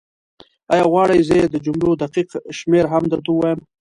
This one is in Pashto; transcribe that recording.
ایا غواړې زه یې د جملو دقیق شمېر هم درته ووایم؟